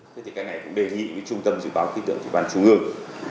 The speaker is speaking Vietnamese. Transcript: thế thì cái này cũng đề nghị với trung tâm dự báo khi tượng chủ văn trung ương